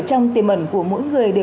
sáng đi chiều đi tối đi